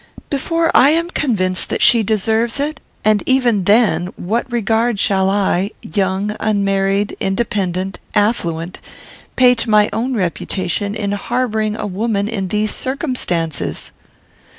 "Before I am convinced that she deserves it? And even then, what regard shall I, young, unmarried, independent, affluent, pay to my own reputation in harbouring a woman in these circumstances?"